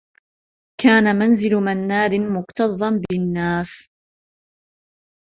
كان منزل منّاد مكتضّا بالنّاس.